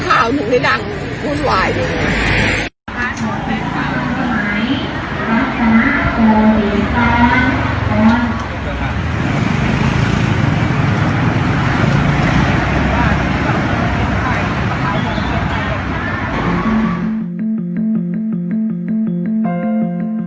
ข้าวถึงได้ดังหุ้นวายด้วย